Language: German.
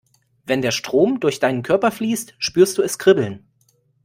Wenn der Strom durch deinen Körper fließt, spürst du es kribbeln.